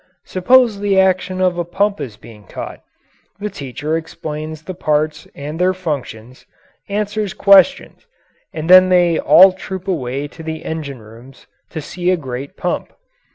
Suppose the action of a pump is being taught. The teacher explains the parts and their functions, answers questions, and then they all troop away to the engine rooms to see a great pump.